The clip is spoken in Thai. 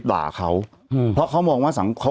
แต่หนูจะเอากับน้องเขามาแต่ว่า